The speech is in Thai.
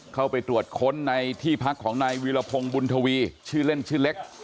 เข้าไปตรวจค้นในที่พักของนายวีรพงศ์บุญทวีชื่อเล่นชื่อเล็ก